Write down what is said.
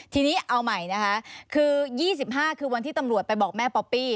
ทีนี้เอาใหม่นะคะคือ๒๕คือวันที่ตำรวจไปบอกแม่ป๊อปปี้